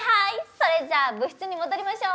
それじゃ部室に戻りましょう。